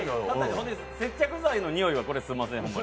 接着剤のにおいはホンマすみません。